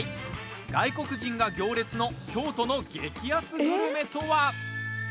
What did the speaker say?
外国人が行列の京都の激熱グルメとは？